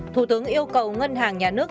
thủ tướng yêu cầu ngân hàng nhà nước